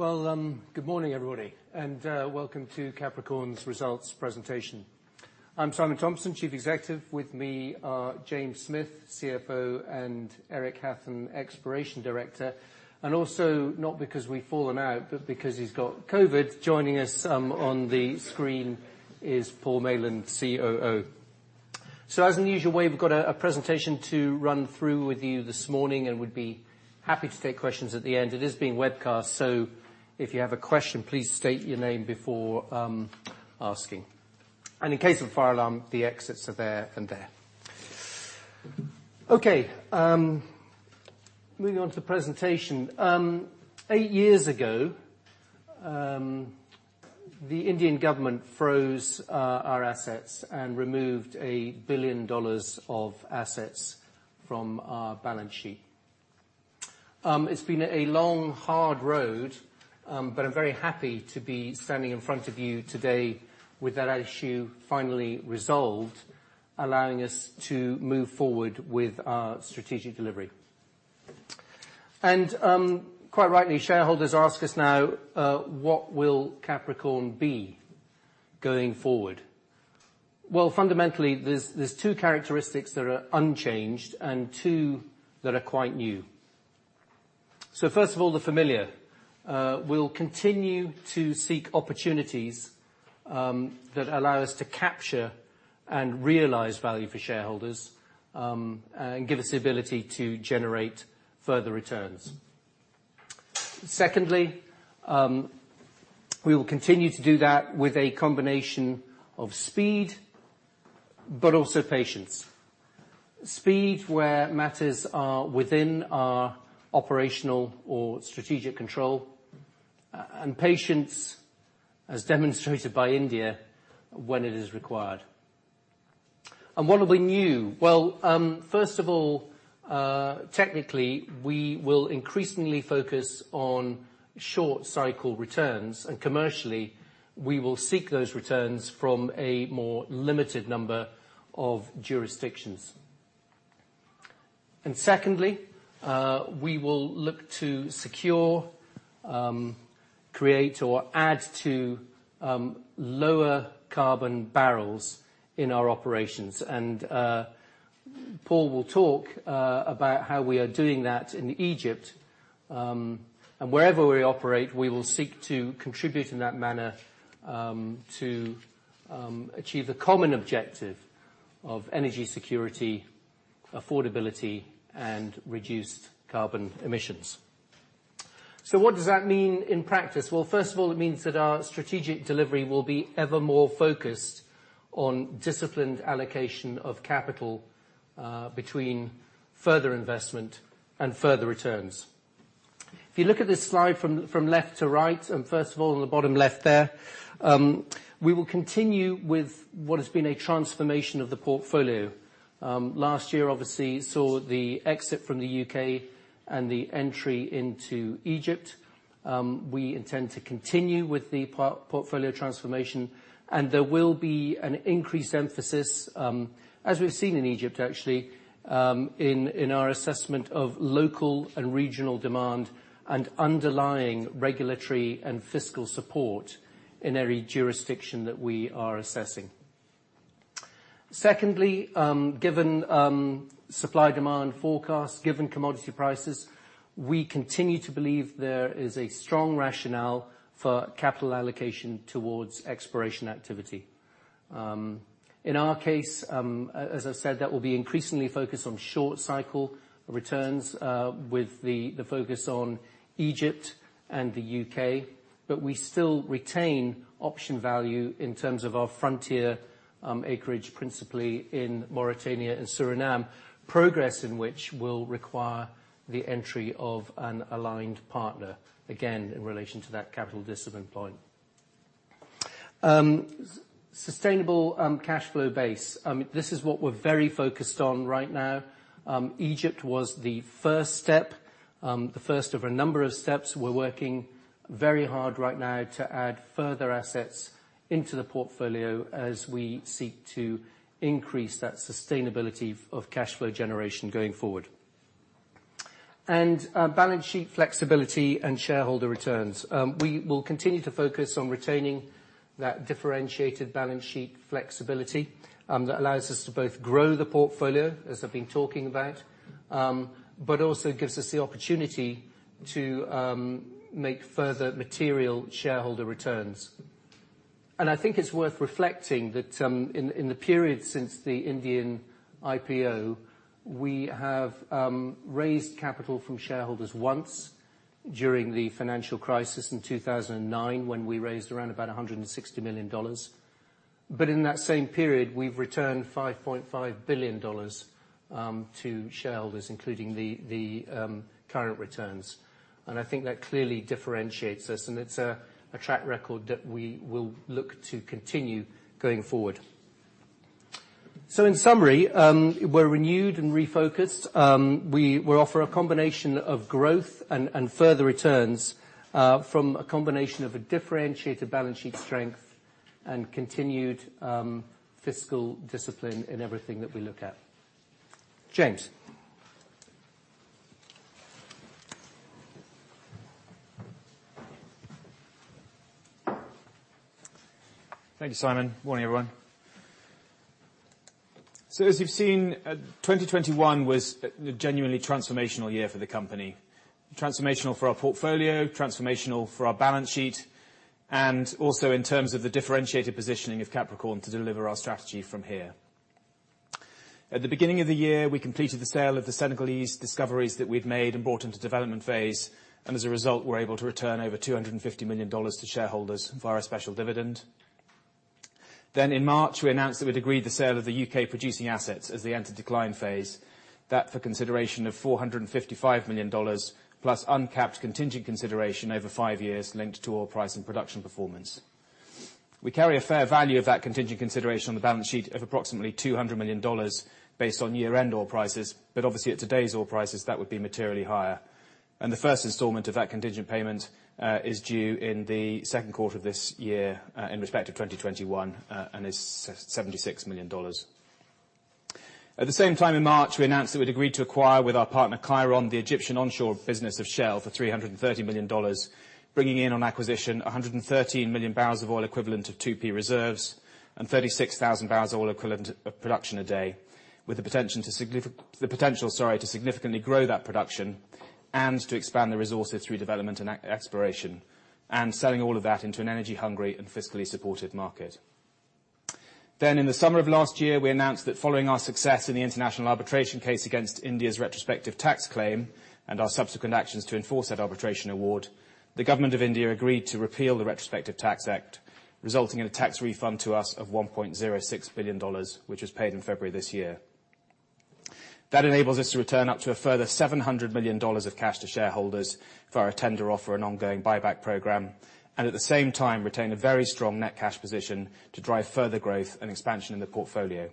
Well, good morning, everybody, and welcome to Capricorn's results presentation. I'm Simon Thomson, Chief Executive. With me are James Smith, CFO, and Eric Hathon, Exploration Director. Also, not because we've fallen out, but because he's got COVID, joining us on the screen is Paul Mayland, COO. As in the usual way, we've got a presentation to run through with you this morning, and we'd be happy to take questions at the end. It is being webcast, so if you have a question, please state your name before asking. In case of fire alarm, the exits are there and there. Okay. Moving on to the presentation. Eight years ago, the Indian government froze our assets and removed $1 billion of assets from our balance sheet. It's been a long, hard road, but I'm very happy to be standing in front of you today with that issue finally resolved, allowing us to move forward with our strategic delivery. Quite rightly, shareholders ask us now, what will Capricorn be going forward? Well, fundamentally, there's two characteristics that are unchanged and two that are quite new. First of all, the familiar. We'll continue to seek opportunities that allow us to capture and realize value for shareholders and give us the ability to generate further returns. Secondly, we will continue to do that with a combination of speed, but also patience. Speed where matters are within our operational or strategic control, and patience, as demonstrated by India, when it is required. What are we new? Well, first of all, technically, we will increasingly focus on short-cycle returns, and commercially, we will seek those returns from a more limited number of jurisdictions. Secondly, we will look to secure, create, or add to lower carbon barrels in our operations. Paul will talk about how we are doing that in Egypt. Wherever we operate, we will seek to contribute in that manner to achieve the common objective of energy security, affordability, and reduced carbon emissions. What does that mean in practice? Well, first of all, it means that our strategic delivery will be ever more focused on disciplined allocation of capital between further investment and further returns. If you look at this slide from left to right, and first of all, on the bottom left there, we will continue with what has been a transformation of the portfolio. Last year, obviously, saw the exit from the U.K. and the entry into Egypt. We intend to continue with the portfolio transformation, and there will be an increased emphasis, as we've seen in Egypt actually, in our assessment of local and regional demand and underlying regulatory and fiscal support in every jurisdiction that we are assessing. Secondly, given supply and demand forecasts, given commodity prices, we continue to believe there is a strong rationale for capital allocation towards exploration activity. In our case, as I said, that will be increasingly focused on short-cycle returns, with the focus on Egypt and the U.K. We still retain option value in terms of our frontier acreage, principally in Mauritania and Suriname, progress in which will require the entry of an aligned partner, again, in relation to that capital discipline point. Sustainable cashflow base. This is what we're very focused on right now. Egypt was the first step, the first of a number of steps. We're working very hard right now to add further assets into the portfolio as we seek to increase that sustainability of cashflow generation going forward. Balance sheet flexibility and shareholder returns. We will continue to focus on retaining that differentiated balance sheet flexibility, that allows us to both grow the portfolio, as I've been talking about, but also gives us the opportunity to make further material shareholder returns. I think it's worth reflecting that, in the period since the Indian IPO, we have raised capital from shareholders once during the financial crisis in 2009 when we raised around about $160 million. In that same period, we've returned $5.5 billion to shareholders, including the current returns. I think that clearly differentiates us, and it's a track record that we will look to continue going forward. In summary, we're renewed and refocused. We offer a combination of growth and further returns from a combination of a differentiated balance sheet strength and continued fiscal discipline in everything that we look at. James. Thank you, Simon. Morning, everyone. As you've seen, 2021 was a genuinely transformational year for the company. Transformational for our portfolio, transformational for our balance sheet, and also in terms of the differentiated positioning of Capricorn to deliver our strategy from here. At the beginning of the year, we completed the sale of the Senegalese discoveries that we've made and brought into development phase, and as a result, we're able to return over $250 million to shareholders via a special dividend. In March, we announced that we'd agreed the sale of the U.K. producing assets as they enter decline phase. That for consideration of $455 million, plus uncapped contingent consideration over five years linked to oil price and production performance. We carry a fair value of that contingent consideration on the balance sheet of approximately $200 million based on year-end oil prices, but obviously at today's oil prices, that would be materially higher. The first installment of that contingent payment is due in the second quarter of this year in respect to 2021 and is $76 million. At the same time in March, we announced that we'd agreed to acquire with our partner, Cheiron, the Egyptian onshore business of Shell for $330 million, bringing in on acquisition 113 mmboe of 2P reserves and 36,000 barrels of oil equivalent of production a day, with the potential to significantly grow that production and to expand the resources through development and exploration, and selling all of that into an energy-hungry and fiscally supported market. In the summer of last year, we announced that following our success in the international arbitration case against India's retrospective tax claim and our subsequent actions to enforce that arbitration award, the government of India agreed to repeal the retrospective tax act, resulting in a tax refund to us of $1.06 billion, which was paid in February this year. That enables us to return up to a further $700 million of cash to shareholders for our tender offer and ongoing buyback program, and at the same time, retain a very strong net cash position to drive further growth and expansion in the portfolio.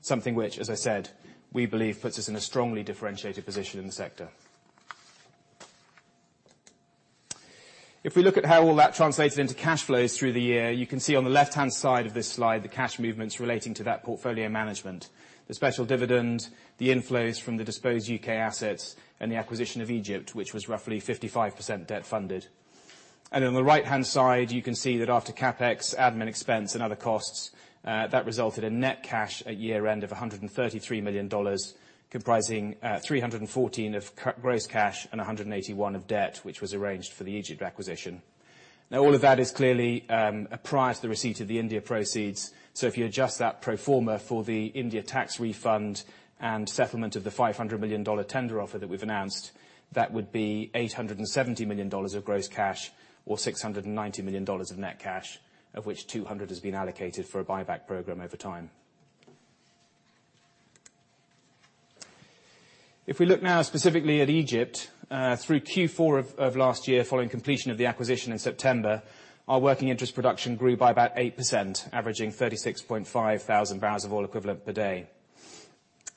Something which, as I said, we believe puts us in a strongly differentiated position in the sector. If we look at how all that translated into cash flows through the year, you can see on the left-hand side of this slide the cash movements relating to that portfolio management, the special dividend, the inflows from the disposed U.K. assets and the acquisition of Egypt, which was roughly 55% debt funded. On the right-hand side, you can see that after CapEx, admin expense and other costs, that resulted in net cash at year-end of $133 million, comprising $314 million of cash, gross cash and $181 million of debt, which was arranged for the Egypt acquisition. Now all of that is clearly prior to the receipt of the India proceeds. If you adjust that pro forma for the India tax refund and settlement of the $500 million tender offer that we've announced, that would be $870 million of gross cash or $690 million of net cash, of which $200 million has been allocated for a buyback program over time. If we look now specifically at Egypt, through Q4 of last year, following completion of the acquisition in September, our working interest production grew by about 8%, averaging 36,500 boepd.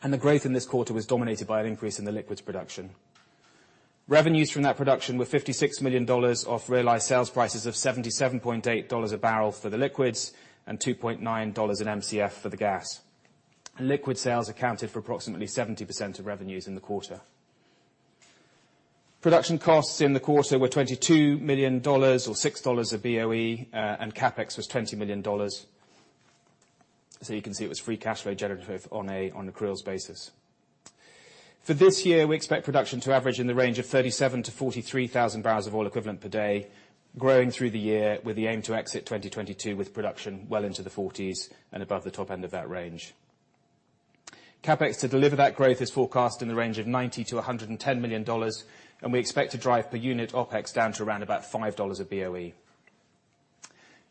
The growth in this quarter was dominated by an increase in the liquids production. Revenues from that production were $56 million at realized sales prices of $77.8 a barrel for the liquids and $2.9/MCF for the gas. Liquid sales accounted for approximately 70% of revenues in the quarter. Production costs in the quarter were $22 million or $6/boe, and CapEx was $20 million. You can see it was free cash flow generative on accruals basis. For this year, we expect production to average in the range of 37,000-43,000 boepd, growing through the year with the aim to exit 2022 with production well into the 40s and above the top end of that range. CapEx to deliver that growth is forecast in the range of $90-$110 million, and we expect to drive per unit OpEx down to around about $5/boe.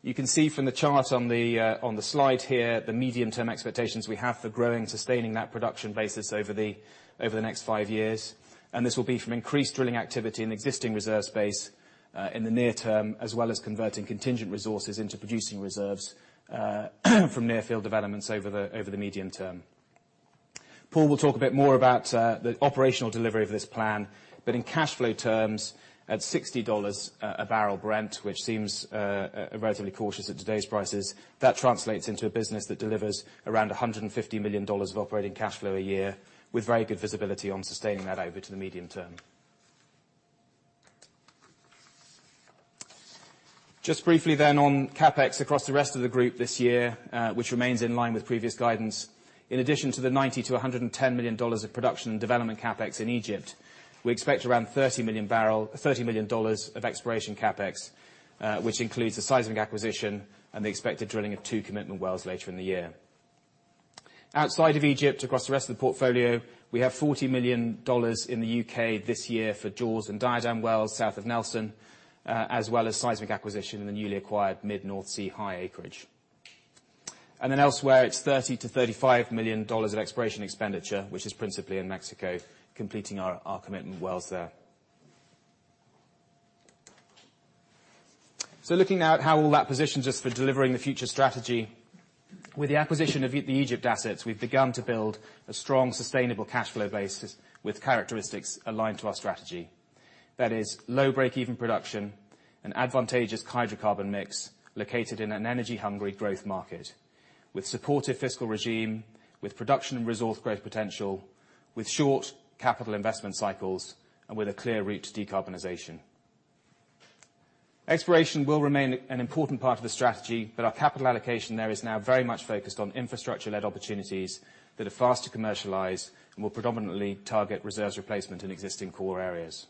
You can see from the chart on the slide here, the medium-term expectations we have for growing, sustaining that production basis over the next five years. This will be from increased drilling activity in existing reserve space in the near term, as well as converting contingent resources into producing reserves from near field developments over the medium term. Paul will talk a bit more about the operational delivery of this plan, but in cash flow terms, at $60 a barrel Brent, which seems relatively cautious at today's prices, that translates into a business that delivers around $150 million of operating cash flow a year with very good visibility on sustaining that over the medium term. Just briefly on CapEx across the rest of the group this year, which remains in line with previous guidance. In addition to the $90 million-$110 million of production and development CapEx in Egypt, we expect around $30 million of exploration CapEx, which includes the seismic acquisition and the expected drilling of two commitment wells later in the year. Outside of Egypt, across the rest of the portfolio, we have $40 million in the U.K. this year for Jaws and Diadem wells south of Nelson, as well as seismic acquisition in the newly acquired Mid-North Sea High acreage. Elsewhere, it's $30 million-$35 million of exploration expenditure, which is principally in Mexico, completing our commitment wells there. Looking at how all that positions us for delivering the future strategy. With the acquisition of the Egypt assets, we've begun to build a strong, sustainable cash flow base with characteristics aligned to our strategy. That is low break-even production and advantageous hydrocarbon mix, located in an energy-hungry growth market, with supportive fiscal regime, with production and resource growth potential, with short capital investment cycles, and with a clear route to decarbonization. Exploration will remain an important part of the strategy, but our capital allocation there is now very much focused on infrastructure-led opportunities that are fast to commercialize and will predominantly target reserves replacement in existing core areas.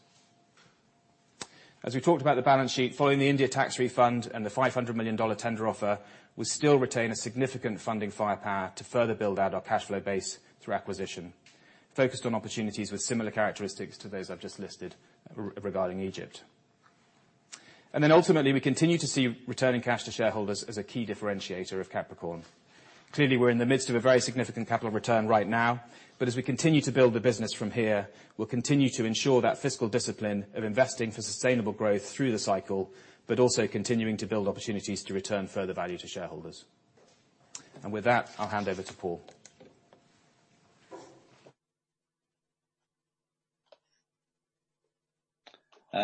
As we talked about the balance sheet, following the India tax refund and the $500 million tender offer, we still retain a significant funding firepower to further build out our cash flow base through acquisition, focused on opportunities with similar characteristics to those I've just listed regarding Egypt. Ultimately, we continue to see returning cash to shareholders as a key differentiator of Capricorn. Clearly, we're in the midst of a very significant capital return right now, but as we continue to build the business from here, we'll continue to ensure that fiscal discipline of investing for sustainable growth through the cycle, but also continuing to build opportunities to return further value to shareholders. With that, I'll hand over to Paul.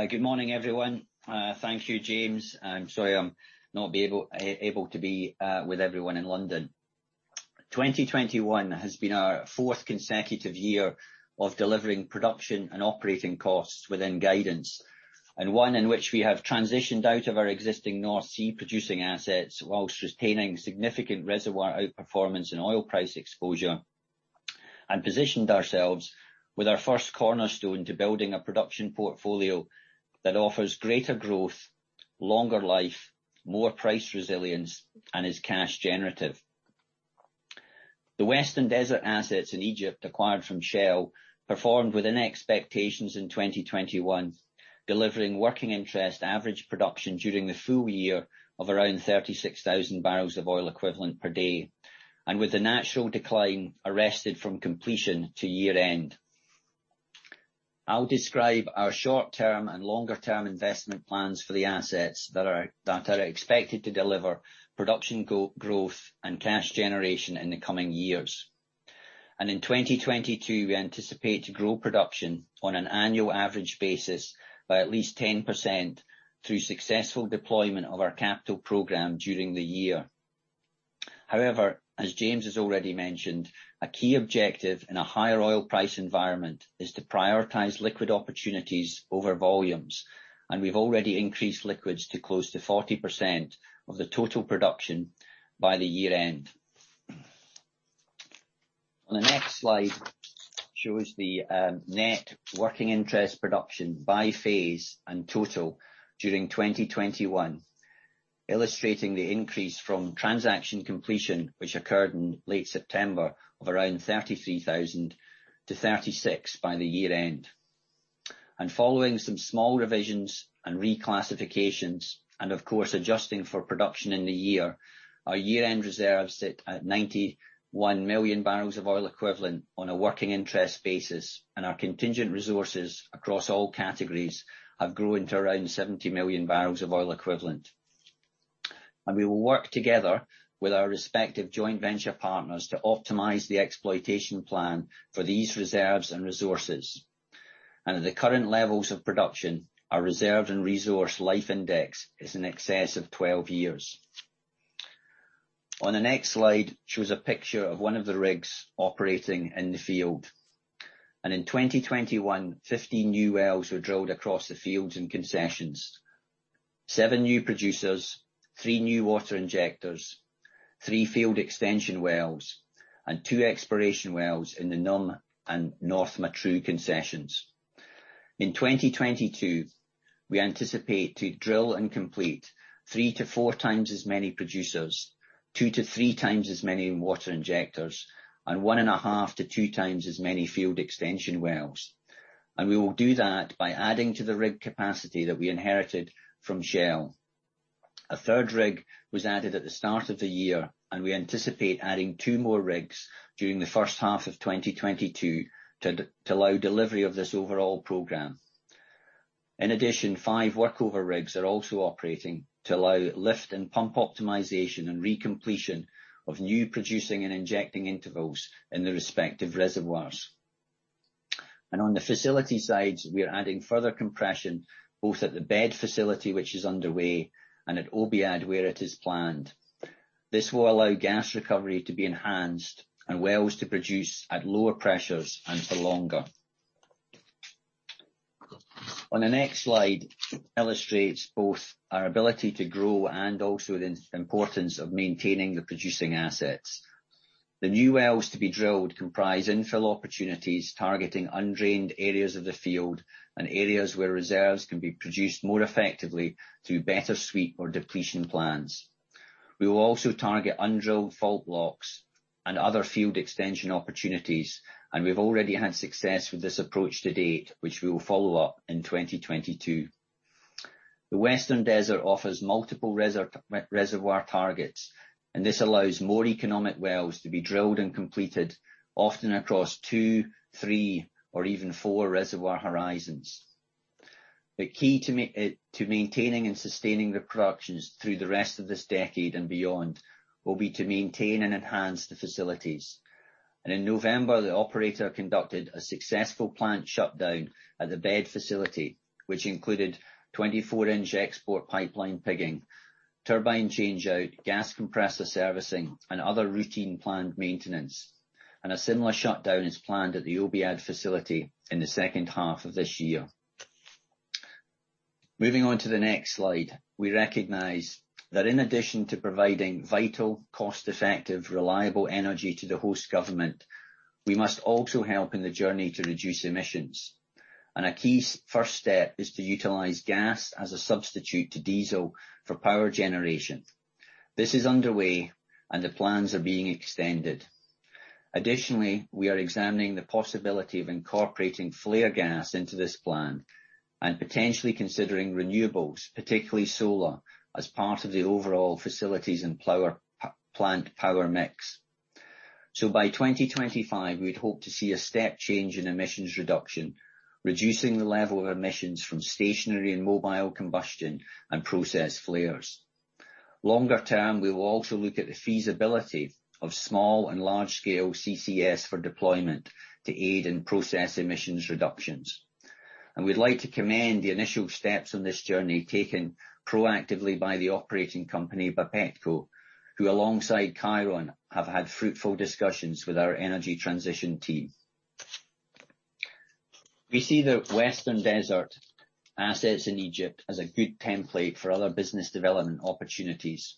Good morning, everyone. Thank you, James. I'm sorry I'm not able to be with everyone in London. 2021 has been our fourth consecutive year of delivering production and operating costs within guidance, and one in which we have transitioned out of our existing North Sea producing assets whilst retaining significant reservoir outperformance and oil price exposure, and positioned ourselves with our first cornerstone to building a production portfolio that offers greater growth, longer life, more price resilience, and is cash generative. The Western Desert assets in Egypt acquired from Shell performed within expectations in 2021, delivering working interest average production during the full year of around 36,000 boepd, and with the natural decline arrested from completion to year-end. I'll describe our short-term and longer-term investment plans for the assets that are expected to deliver production growth and cash generation in the coming years. In 2022, we anticipate to grow production on an annual average basis by at least 10% through successful deployment of our capital program during the year. However, as James has already mentioned, a key objective in a higher oil price environment is to prioritize liquid opportunities over volumes, and we've already increased liquids to close to 40% of the total production by the year-end. The next slide shows the net working interest production by phase and total during 2021, illustrating the increase from transaction completion, which occurred in late September of around 33,000 to 36,000 by the year-end. Following some small revisions and reclassifications, and of course, adjusting for production in the year, our year-end reserves sit at 91 mmboe on a working interest basis, and our contingent resources across all categories have grown to around 70 mmboe. We will work together with our respective joint venture partners to optimize the exploitation plan for these reserves and resources. At the current levels of production, our reserve and resource life index is in excess of 12 years. The next slide shows a picture of one of the rigs operating in the field. In 2021, 15 new wells were drilled across the fields and concessions. Seven new producers, three new water injectors, three field extension wells, and two exploration wells in the NUMB and North Matruh concessions. In 2022, we anticipate to drill and complete 3x-4x as many producers, 2x-3x as many water injectors, and 1.5x-2x as many field extension wells. We will do that by adding to the rig capacity that we inherited from Shell. A third rig was added at the start of the year, and we anticipate adding two more rigs during the first half of 2022 to allow delivery of this overall program. In addition, five workover rigs are also operating to allow lift and pump optimization and recompletion of new producing and injecting intervals in the respective reservoirs. On the facility sides, we are adding further compression, both at the BED facility, which is underway, and at Obaiyed, where it is planned. This will allow gas recovery to be enhanced and wells to produce at lower pressures and for longer. The next slide illustrates both our ability to grow and also the importance of maintaining the producing assets. The new wells to be drilled comprise infill opportunities, targeting undrained areas of the field and areas where reserves can be produced more effectively through better sweep or depletion plans. We will also target undrilled fault blocks and other field extension opportunities, and we've already had success with this approach to date, which we will follow up in 2022. The Western Desert offers multiple reservoir targets, and this allows more economic wells to be drilled and completed, often across two, three, or even four reservoir horizons. The key to maintaining and sustaining the production through the rest of this decade and beyond will be to maintain and enhance the facilities. In November, the operator conducted a successful plant shutdown at the BED facility, which included 24-inch export pipeline pigging, turbine change out, gas compressor servicing, and other routine planned maintenance. A similar shutdown is planned at the Obaiyed facility in the second half of this year. Moving on to the next slide. We recognize that in addition to providing vital, cost-effective, reliable energy to the host government, we must also help in the journey to reduce emissions. A key first step is to utilize gas as a substitute to diesel for power generation. This is underway, and the plans are being extended. Additionally, we are examining the possibility of incorporating flare gas into this plan and potentially considering renewables, particularly solar, as part of the overall facilities and plant power mix. By 2025, we'd hope to see a step change in emissions reduction, reducing the level of emissions from stationary and mobile combustion and process flares. Longer term, we will also look at the feasibility of small- and large-scale CCS for deployment to aid in process emissions reductions. We'd like to commend the initial steps on this journey taken proactively by the operating company, Bapetco, who alongside Cheiron, have had fruitful discussions with our energy transition team. We see the Western Desert assets in Egypt as a good template for other business development opportunities,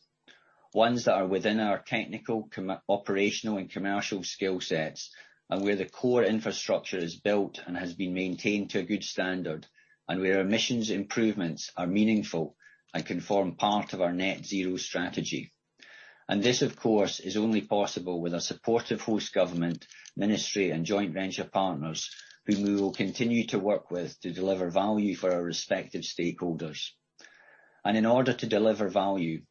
ones that are within our technical, operational and commercial skill sets, and where the core infrastructure is built and has been maintained to a good standard, and where emissions improvements are meaningful and can form part of our net zero strategy. This, of course, is only possible with a supportive host government, ministry and joint venture partners whom we will continue to work with to deliver value for our respective stakeholders. In order to deliver value,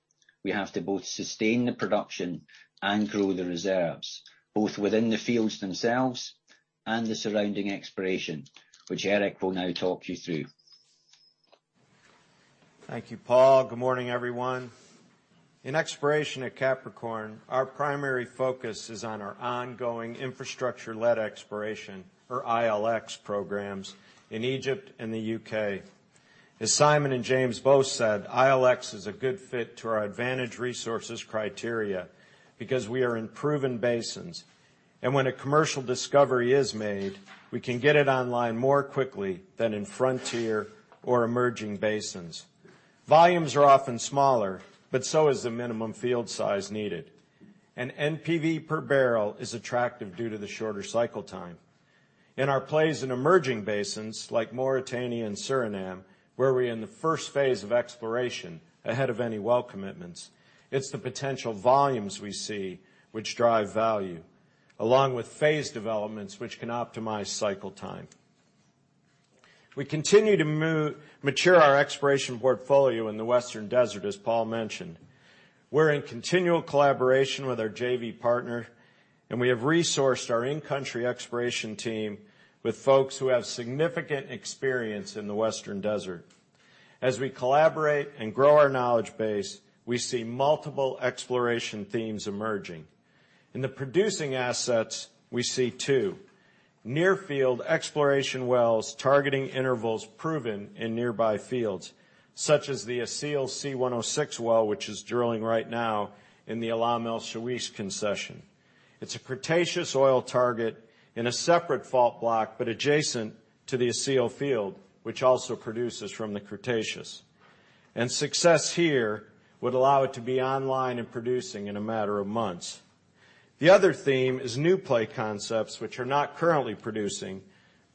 we have to both sustain the production and grow the reserves, both within the fields themselves and the surrounding exploration, which Eric will now talk you through. Thank you, Paul. Good morning, everyone. In exploration at Capricorn, our primary focus is on our ongoing infrastructure-led exploration, or ILX programs, in Egypt and the U.K. As Simon and James both said, ILX is a good fit to our advantaged resources criteria because we are in proven basins, and when a commercial discovery is made, we can get it online more quickly than in frontier or emerging basins. Volumes are often smaller, but so is the minimum field size needed. An NPV per barrel is attractive due to the shorter cycle time. In our plays in emerging basins like Mauritania and Suriname, where we're in the first phase of exploration ahead of any well commitments, it's the potential volumes we see which drive value, along with phase developments which can optimize cycle time. We continue to mature our exploration portfolio in the Western Desert, as Paul mentioned. We're in continual collaboration with our JV partner, and we have resourced our in-country exploration team with folks who have significant experience in the Western Desert. As we collaborate and grow our knowledge base, we see multiple exploration themes emerging. In the producing assets, we see two. Near field exploration wells targeting intervals proven in nearby fields, such as the Al Assil C-106 well, which is drilling right now in the Alam El Shawish concession. It's a Cretaceous oil target in a separate fault block, but adjacent to the Al Assil field, which also produces from the Cretaceous. Success here would allow it to be online and producing in a matter of months. The other theme is new play concepts, which are not currently producing,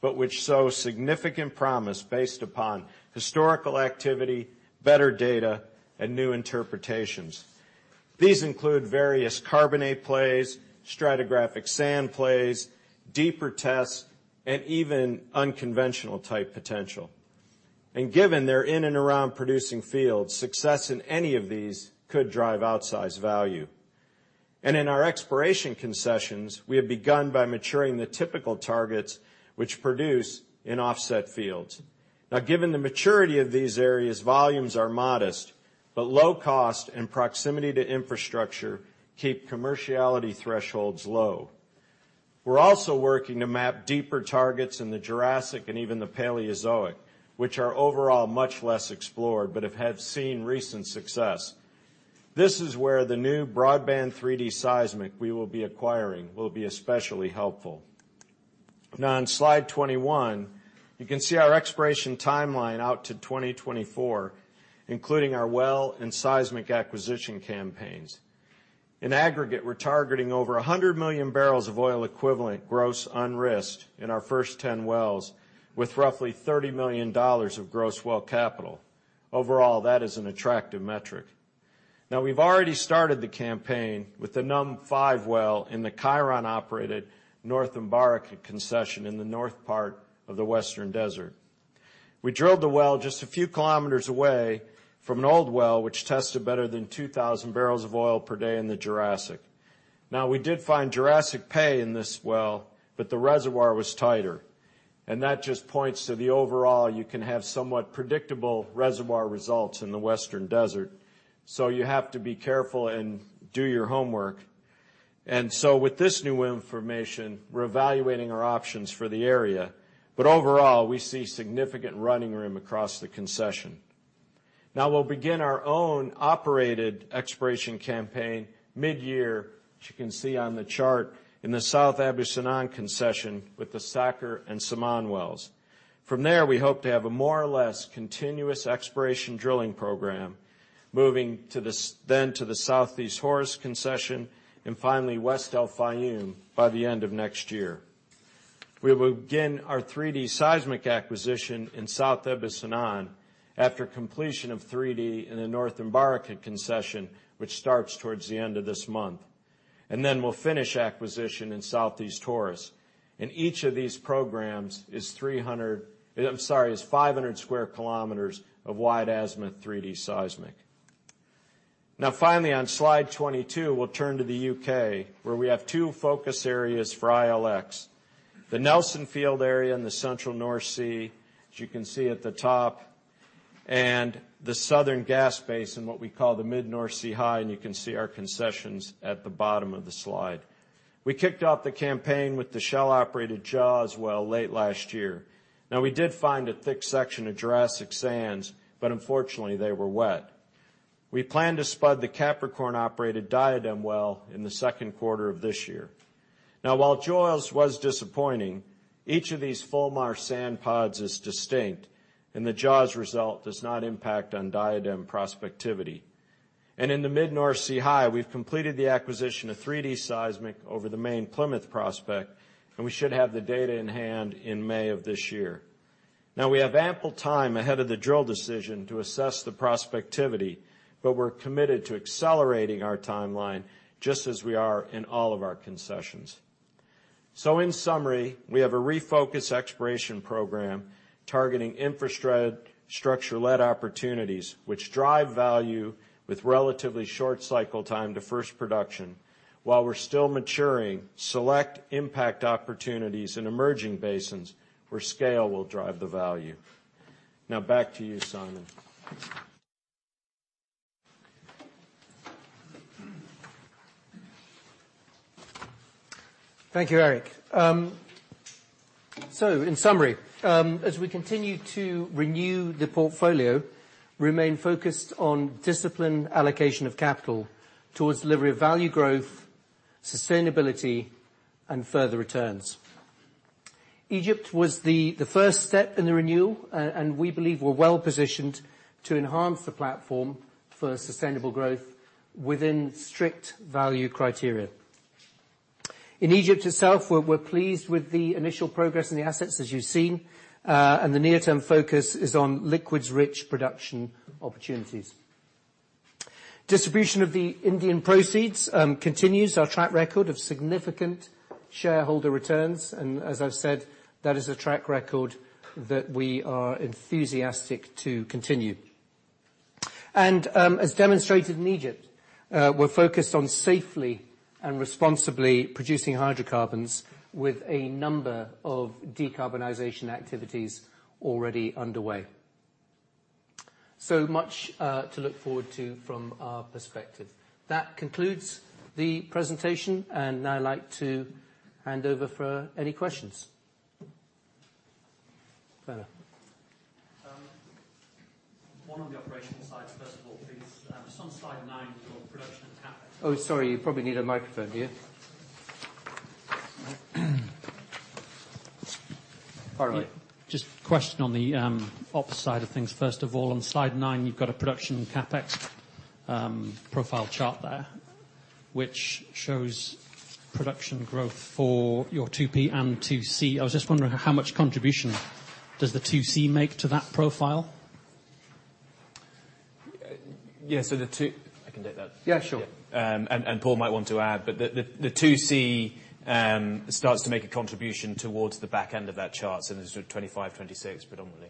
but which show significant promise based upon historical activity, better data, and new interpretations. These include various carbonate plays, stratigraphic sand plays, deeper tests, and even unconventional type potential. Given they're in and around producing fields, success in any of these could drive outsized value. In our exploration concessions, we have begun by maturing the typical targets which produce in offset fields. Now, given the maturity of these areas, volumes are modest, but low cost and proximity to infrastructure keep commerciality thresholds low. We're also working to map deeper targets in the Jurassic and even the Paleozoic, which are overall much less explored but have seen recent success. This is where the new broadband 3D seismic we will be acquiring will be especially helpful. Now, on slide 21, you can see our exploration timeline out to 2024, including our well and seismic acquisition campaigns. In aggregate, we're targeting over 100 mmboe gross unrisked in our first 10 wells, with roughly $30 million of gross well capital. Overall, that is an attractive metric. Now, we've already started the campaign with the NUMB-5 well in the Cheiron-operated North Um Baraka concession in the north part of the Western Desert. We drilled the well just a few kilometers away from an old well, which tested better than 2,000 boepd in the Jurassic. Now we did find Jurassic pay in this well, but the reservoir was tighter. That just points to the overall, you can have somewhat predictable reservoir results in the Western Desert, so you have to be careful and do your homework. With this new information, we're evaluating our options for the area. Overall, we see significant running room across the concession. Now we'll begin our own operated exploration campaign mid-year, which you can see on the chart, in the South Abu Sennan concession with the Sakhr and Saman wells. From there, we hope to have a more or less continuous exploration drilling program moving to the South East Horus concession, and finally, West El Fayum by the end of next year. We will begin our 3D seismic acquisition in South Abu Sennan after completion of 3D in the North Um Baraka concession, which starts towards the end of this month. Then we'll finish acquisition in South East Horus. Each of these programs is 500 sq km of wide-azimuth 3D seismic. Now finally, on slide 22, we'll turn to the U.K., where we have two focus areas for ILX. The Nelson field area in the central North Sea, as you can see at the top, and the southern gas basin, what we call the Mid-North Sea High, and you can see our concessions at the bottom of the slide. We kicked off the campaign with the Shell-operated Jaws well late last year. We did find a thick section of Jurassic sands, but unfortunately they were wet. We plan to spud the Capricorn-operated Diadem well in the second quarter of this year. While Jaws was disappointing, each of these Fulmar sand pods is distinct, and the Jaws result does not impact on Diadem prospectivity. In the Mid-North Sea High, we've completed the acquisition of 3D seismic over the main Plymouth prospect, and we should have the data in hand in May of this year. Now we have ample time ahead of the drill decision to assess the prospectivity, but we're committed to accelerating our timeline just as we are in all of our concessions. In summary, we have a refocused exploration program targeting infrastructure-led opportunities which drive value with relatively short cycle time to first production, while we're still maturing select impact opportunities in emerging basins where scale will drive the value. Now back to you, Simon. Thank you, Eric. In summary, as we continue to renew the portfolio, remain focused on disciplined allocation of capital towards delivery of value growth, sustainability, and further returns. Egypt was the first step in the renewal, and we believe we're well positioned to enhance the platform for sustainable growth within strict value criteria. In Egypt itself, we're pleased with the initial progress in the assets, as you've seen. The near-term focus is on liquids-rich production opportunities. Distribution of the Indian proceeds continues our track record of significant shareholder returns, and as I've said, that is a track record that we are enthusiastic to continue. As demonstrated in Egypt, we're focused on safely and responsibly producing hydrocarbons with a number of decarbonization activities already underway. Much to look forward to from our perspective. That concludes the presentation, and now I'd like to hand over for any questions. On the operational side first of all, please. On slide nine, your production CapEx. Oh, sorry, you probably need a microphone, do you? Fire away. Just a question on the ops side of things first of all. On slide nine, you've got a production CapEx profile chart there which shows production growth for your 2P and 2C. I was just wondering how much contribution does the 2C make to that profile? I can take that. Yeah, sure. Paul might want to add, but the 2C starts to make a contribution towards the back end of that chart, so there's sort of 2025, 2026 predominantly.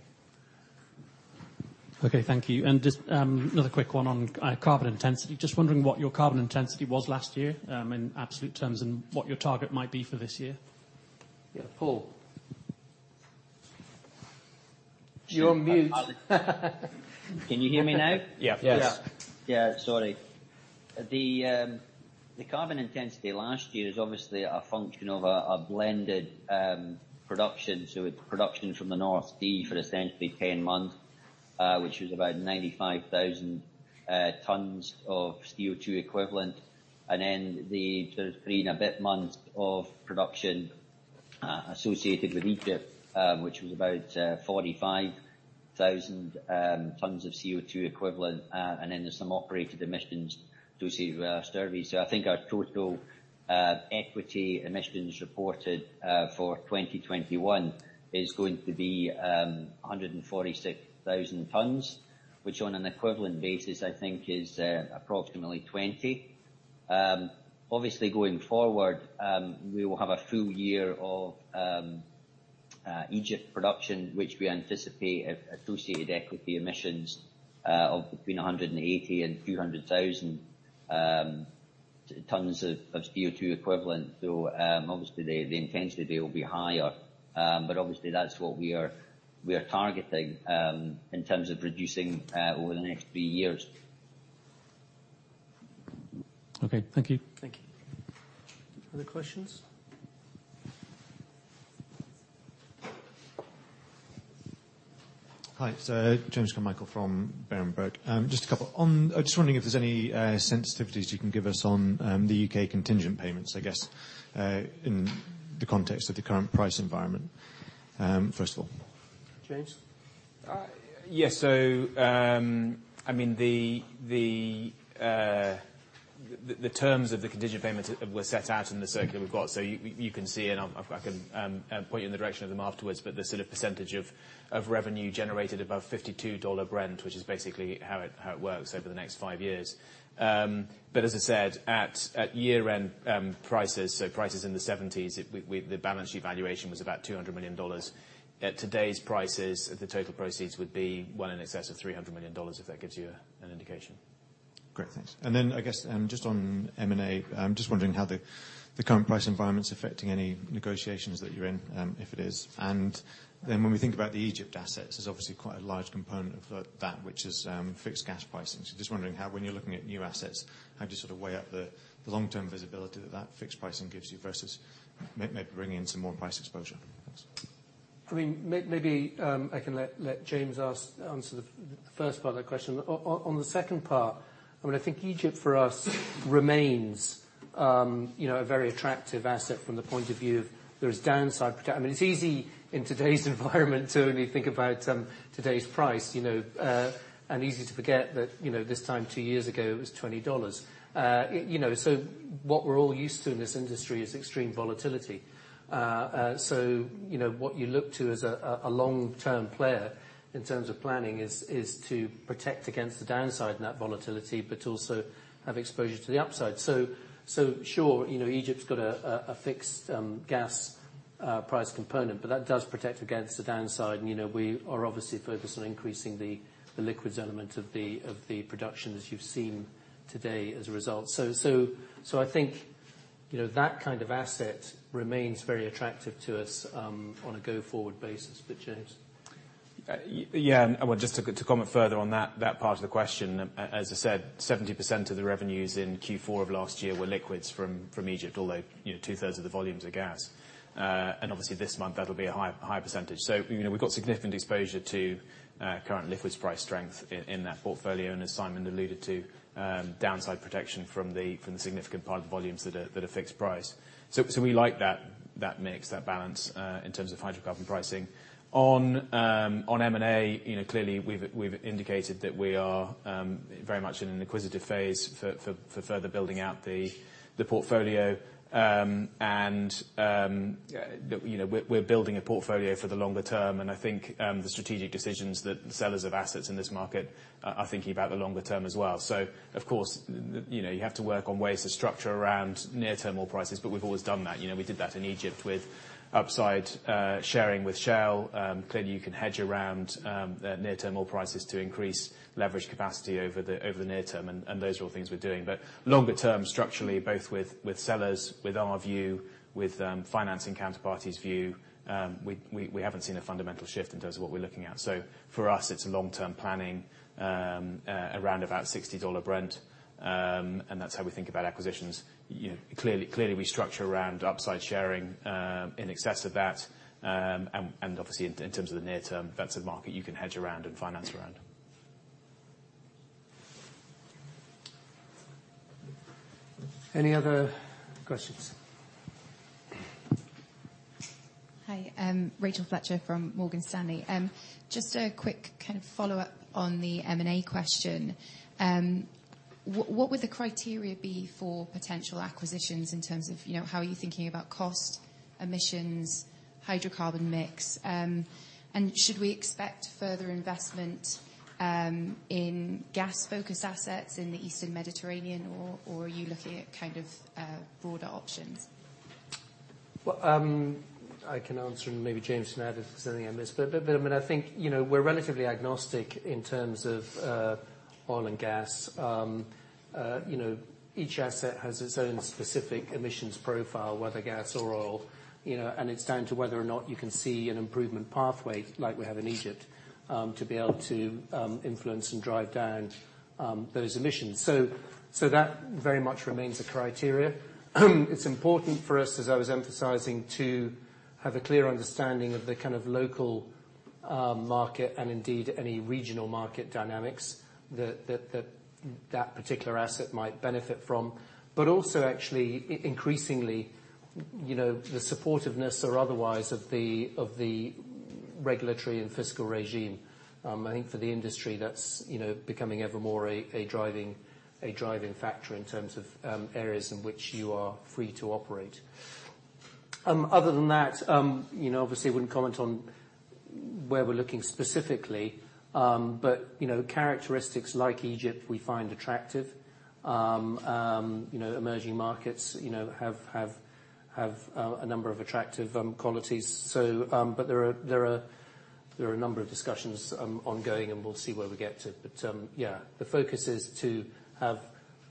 Okay, thank you. Just another quick one on carbon intensity. Just wondering what your carbon intensity was last year, in absolute terms, and what your target might be for this year. Yeah, Paul. You're on mute. Can you hear me now? Yeah. Yes. Yeah. Yeah, sorry. The carbon intensity last year is obviously a function of a blended production. It's production from the North Sea for essentially 10 months, which was about 95,000 tons of CO2 equivalent. Then there's been one month of production associated with Egypt, which was about 45,000 tons of CO2 equivalent. Then there's some operated emissions associated with other surveys. I think our total equity emissions reported for 2021 is going to be 146,000 tons, which on an equivalent basis I think is approximately 20. Obviously going forward, we will have a full year of Egypt production, which we anticipate associated equity emissions of between 180,000 and 200,000 tons of CO2 equivalent. Though obviously, the intensity there will be higher. Obviously that's what we are targeting in terms of reducing over the next three years. Okay, thank you. Thank you. Other questions? Hi, James Carmichael from Berenberg. Just a couple. I'm just wondering if there's any sensitivities you can give us on the U.K. contingent payments, I guess, in the context of the current price environment, first of all. James? Yes. I mean, the terms of the contingent payment were set out in the circular we've got. You can see, and I can point you in the direction of them afterwards, but the sort of percentage of revenue generated above $52 Brent, which is basically how it works over the next five years. As I said, at year-end prices in the $70s, the balanced evaluation was about $200 million. At today's prices, the total proceeds would be well in excess of $300 million, if that gives you an indication. Great. Thanks. I guess just on M&A, I'm just wondering how the current price environment's affecting any negotiations that you're in, if it is. When we think about the Egypt assets, there's obviously quite a large component of that which is fixed gas pricing. Just wondering how when you're looking at new assets, how do you sort of weigh up the long-term visibility that that fixed pricing gives you versus maybe bringing in some more price exposure? Thanks. I mean, maybe I can let James answer the first part of that question. On the second part, I mean, I think Egypt, for us, remains, you know, a very attractive asset from the point of view. There is downside protection. I mean, it's easy in today's environment to only think about today's price, you know. And easy to forget that, you know, this time two years ago, it was $20. You know, so what we're all used to in this industry is extreme volatility. So you know, what you look to as a long-term player in terms of planning is to protect against the downside and that volatility, but also have exposure to the upside. Sure, you know, Egypt's got a fixed gas price component, but that does protect against the downside. You know, we are obviously focused on increasing the liquids element of the production as you've seen today as a result. I think, you know, that kind of asset remains very attractive to us on a go-forward basis. James? Yeah, just to comment further on that part of the question. As I said, 70% of the revenues in Q4 of last year were liquids from Egypt, although, you know, 2/3 of the volumes are gas. Obviously this month, that'll be a higher percentage. You know, we've got significant exposure to current liquids price strength in that portfolio, and as Simon alluded to, downside protection from the significant part of the volumes that are fixed price. We like that mix, that balance in terms of hydrocarbon pricing. On M&A, you know, clearly, we've indicated that we are very much in an inquisitive phase for further building out the portfolio. You know, we're building a portfolio for the longer term, and I think the strategic decisions that sellers of assets in this market are thinking about the longer term as well. Of course, you know, you have to work on ways to structure around near-term oil prices, but we've always done that. You know, we did that in Egypt with upside sharing with Shell. Clearly, you can hedge around near-term oil prices to increase leverage capacity over the near term, and those are all things we're doing. But longer term structurally, both with sellers, with our view, with financing counterparties view, we haven't seen a fundamental shift in terms of what we're looking at. For us, it's long-term planning around about $60 Brent, and that's how we think about acquisitions. You know, clearly we structure around upside sharing in excess of that. And obviously in terms of the near term, that's a market you can hedge around and finance around. Any other questions? Hi, Rachel Fletcher from Morgan Stanley. Just a quick kind of follow-up on the M&A question. What would the criteria be for potential acquisitions in terms of, you know, how are you thinking about cost, emissions, hydrocarbon mix? And should we expect further investment in gas-focused assets in the Eastern Mediterranean, or are you looking at kind of broader options? Well, I can answer and maybe James can add if there's anything I miss. I mean, I think, you know, we're relatively agnostic in terms of oil and gas. You know, each asset has its own specific emissions profile, whether gas or oil, you know, and it's down to whether or not you can see an improvement pathway like we have in Egypt, to be able to influence and drive down those emissions. So that very much remains a criteria. It's important for us, as I was emphasizing, to have a clear understanding of the kind of local market and indeed any regional market dynamics that particular asset might benefit from, but also actually increasingly, you know, the supportiveness or otherwise of the regulatory and fiscal regime. I think for the industry, that's, you know, becoming ever more a driving factor in terms of areas in which you are free to operate. Other than that, you know, obviously I wouldn't comment on where we're looking specifically. You know, characteristics like Egypt we find attractive. You know, emerging markets, you know, have a number of attractive qualities. There are a number of discussions ongoing, and we'll see where we get to. Yeah, the focus is to have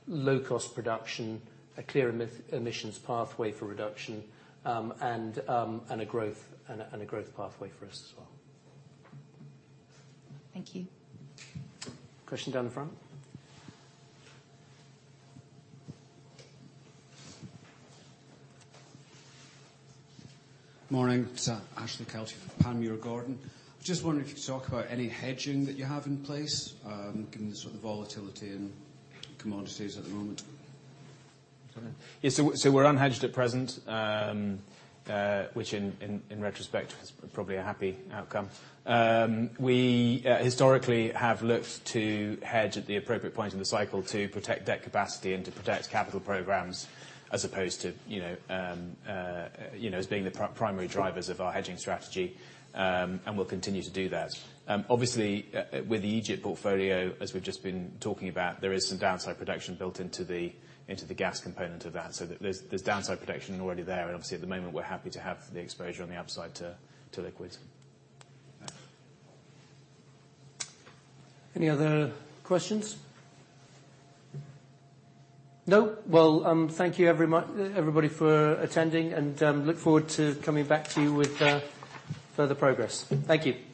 low-cost production, a clear emissions pathway for reduction, and a growth pathway for us as well. Thank you. Question down the front. Morning. It's Ashley Kelty from Panmure Gordon. I was just wondering if you could talk about any hedging that you have in place, given the sort of volatility in commodities at the moment. Yeah, we're unhedged at present, which in retrospect is probably a happy outcome. We historically have looked to hedge at the appropriate point in the cycle to protect debt capacity and to protect capital programs as opposed to you know as being the primary drivers of our hedging strategy. We'll continue to do that. Obviously, with the Egypt portfolio, as we've just been talking about, there is some downside protection built into the gas component of that. There's downside protection already there, and obviously, at the moment, we're happy to have the exposure on the upside to liquids. Any other questions? No? Well, thank you everybody for attending, and look forward to coming back to you with further progress. Thank you.